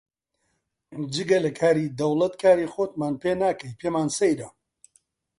جگە لە کاری دەوڵەت کاری خۆتمان پێ ناکەی، پێمان سەیرە